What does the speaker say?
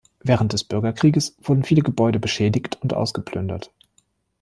Während des Bürgerkrieges wurden viele Gebäude beschädigt und ausgeplündert.